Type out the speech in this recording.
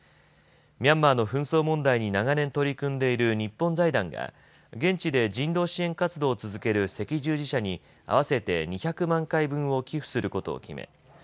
ミャンマーの紛争問題に長年取り組んでいる日本財団が現地で人道支援活動を続ける赤十字社に合わせて２００万回分を寄付することを決め